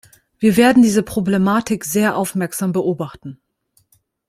Wir werden diese Problematik sehr aufmerksam beobachten.